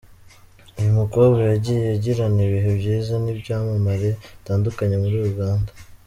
Uyu mukobwa yagiye agirana ibihe byiza n'ibyamamare bitandukanye muri Uganda.